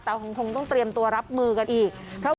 แต่คงต้องเตรียมตัวรับมือกันอีก